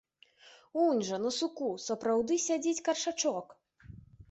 Унь жа на суку сапраўды сядзіць каршачок!